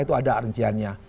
itu ada rinciannya